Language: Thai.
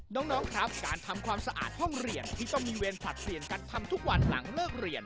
น้องครับการทำความสะอาดห้องเรียนที่ต้องมีเวรผลัดเปลี่ยนกันทำทุกวันหลังเลิกเรียน